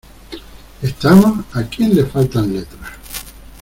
¿ estamos? ¿ a quien le faltan letras ?